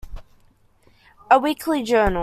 A Weekly Journal.